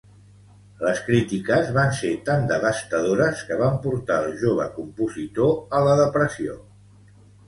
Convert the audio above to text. Les crítiques van ser tan devastadores que van portar el jove compositor a la depressió.